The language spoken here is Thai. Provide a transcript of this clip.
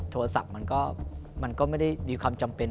โทรศัพท์มันก็ไม่ได้มีความจำเป็น